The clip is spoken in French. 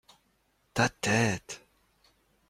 Ta tête.